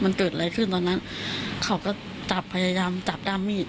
มันเกิดอะไรขึ้นตอนนั้นเขาก็จับพยายามจับด้ามมีด